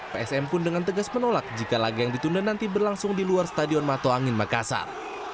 psm pun dengan tegas menolak jika laga yang ditunda nanti berlangsung di luar stadion mato angin makassar